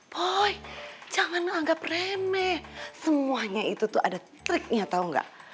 boy jangan anggap remeh semuanya itu tuh ada triknya tahu gak